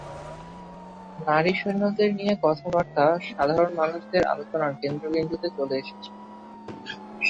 নারী সৈন্যদের নিয়ে কথাবার্তা সাধারণ মানুষদের আলোচনার কেন্দ্রবিন্দুতে চলে এসেছিলো।